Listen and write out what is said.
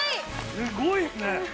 すごいですね。